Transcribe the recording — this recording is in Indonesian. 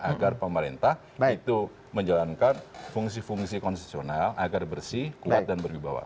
agar pemerintah itu menjalankan fungsi fungsi konstitusional agar bersih kuat dan berwibawa